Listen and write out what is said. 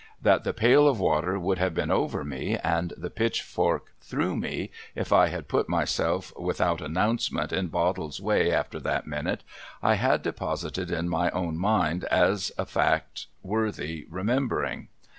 That the pail of water would have been over me, and the pitchfork through me, if I had put myself without announcement in Bottles's \yay after that minute, I had deposited in my own mind as a fact worth remembering.